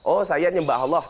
oh saya nyembah allah